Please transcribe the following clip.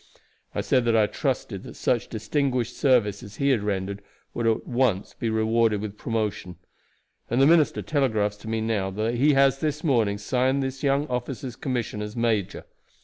I said that I trusted that such distinguished service as he had rendered would be at once rewarded with promotion, and the minister telegraphs to me now that he has this morning signed this young officer's commission as major.